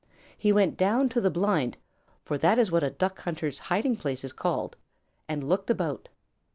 He went down to the blind, for that is what a Duck hunter's hiding place is called, and looked about.